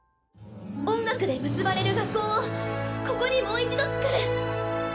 音楽で結ばれる学校をここにもう一度つくる。